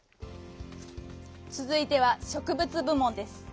つづいては「植物部門」です。